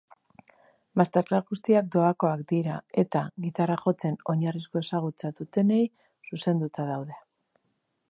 Masterclass guztiak doakoak dira eta gitarra jotzen oinarrizko ezagutza dutenei zuzenduta daude.